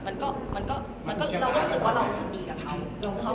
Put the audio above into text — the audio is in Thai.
มันก็เราก็รู้สึกว่าเรารู้สึกดีกับเขา